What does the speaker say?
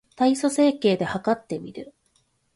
体組成計で計ってみる